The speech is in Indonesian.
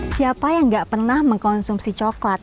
siapa yang gak pernah mengkonsumsi coklat